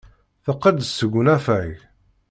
Teqqel-d seg unafag.